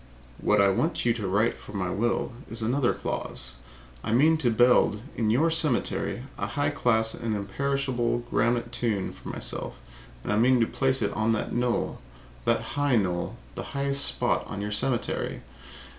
What I want you to write for my will, is another clause. I mean to build, in your cemetery, a high class and imperishable granite tomb for myself. I mean to place it on that knoll that high knoll the highest spot in your cemetery.